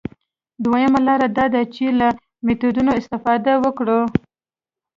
دویمه لاره دا ده چې له میتودونو استفاده وکړو.